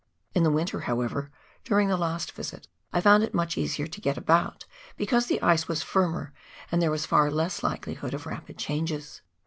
In the winter, however, during the last visit, I found it much easier to get about, because the ice was firmer and there was far less likelihood of rapid changes.